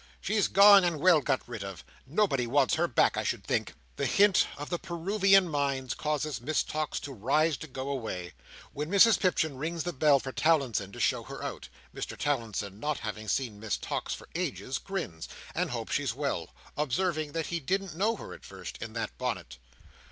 She's gone, and well got rid of. Nobody wants her back, I should think!" This hint of the Peruvian Mines, causes Miss Tox to rise to go away; when Mrs Pipchin rings the bell for Towlinson to show her out, Mr Towlinson, not having seen Miss Tox for ages, grins, and hopes she's well; observing that he didn't know her at first, in that bonnet.